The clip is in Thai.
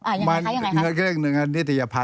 ยังไงครับครับมันก็เรียกหนึ่งนิทยาพัฒน์